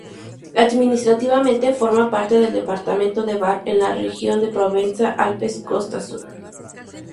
Administrativamente forma parte del Departamento de Var, en la región de Provenza-Alpes-Costa Azul.